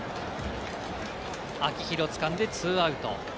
秋広、つかんで、２アウト。